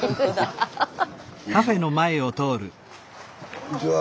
こんにちは。